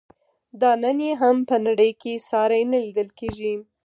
دا نن یې هم په نړۍ کې ساری نه لیدل کیږي.